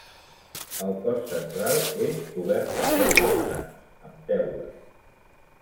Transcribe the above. El cos central és cobert a quatre vessants, amb teula.